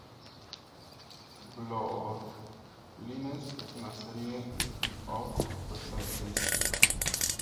Bloodlines es una serie spin-off compuesta de seis libros.